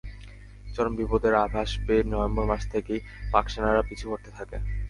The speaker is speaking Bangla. চরম বিপদের আভাস পেয়ে নভেম্বর মাস থেকেই পাক সেনারা পিছু হটতে থাকে।